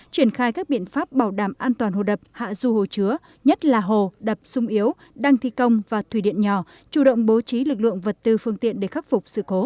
triển khai các biện pháp bảo đảm an toàn hồ đập hạ du hồ chứa nhất là hồ đập sung yếu